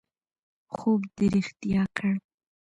خوب دې رښتیا کړ